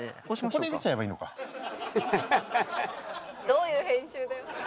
どういう編集だよ。